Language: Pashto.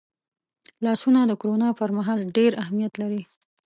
لاسونه د کرونا پرمهال ډېر اهمیت لري